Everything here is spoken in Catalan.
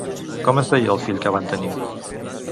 Com es deia el fill que van tenir?